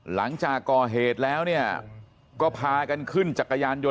หลังจากก่อเหตุแล้วเนี่ยก็พากันขึ้นจักรยานยนต